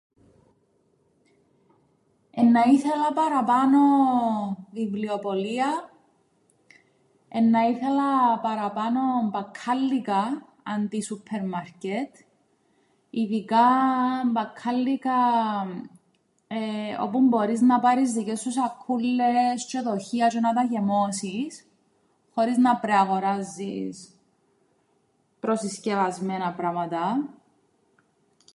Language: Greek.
Εννά ήθελα παραπάνω βιβλιοπωλεία. Εννά ήθελα παραπάνω μπακκάλλικα αντί σούππερμαρκετ, ειδικά μπακκάλλικα όπου μπορείς να πάρεις δικές σου σακκούλλες τζ̆αι δοχεία τζ̆αι να τα γεμώσεις, χωρίς να πρέπει να γοράζεις προσυσκευασμένα πράματα.